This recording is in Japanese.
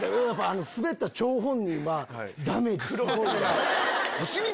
スベった張本人はダメージすごい。